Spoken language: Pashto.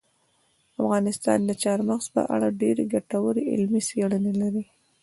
افغانستان د چار مغز په اړه ډېرې ګټورې علمي څېړنې لري.